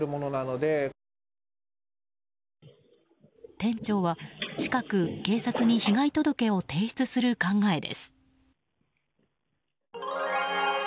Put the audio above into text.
店長は、近く警察に被害届を提出する考えです。